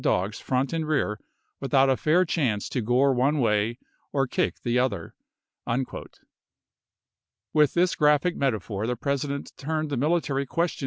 dogs front and rear without a fair chance to gore t*jg$j*I one way or kick the other." With this graphic Junes^ses. metaphor the President turned the military question Xxvii.